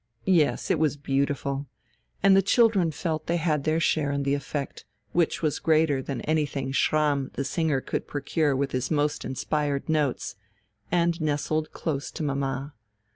Yes, it was beautiful, and the children felt they had their share in the effect, which was greater than anything Schramm the singer could procure with his most inspired notes, and nestled close to mamma.